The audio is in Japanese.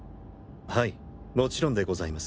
はいもちろんでございます